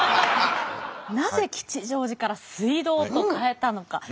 なぜ吉祥寺から水道と変えたのか。